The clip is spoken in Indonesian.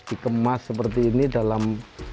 dikemas seperti ini dalam